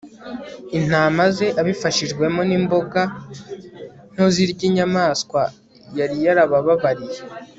intama ze, abifashijwemo nimboga nto zirya inyamaswa yari yarababariye